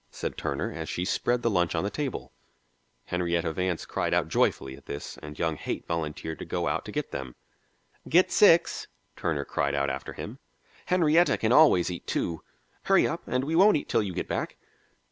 said Turner, as she spread the lunch on the table. Henrietta Vance cried out joyfully at this, and young Haight volunteered to go out to get them. "Get six," Turner cried out after him. "Henrietta can always eat two. Hurry up, and we won't eat till you get back."